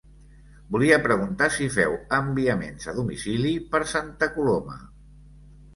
Volia preguntar si feu enviaments a domicili per Santa Coloma?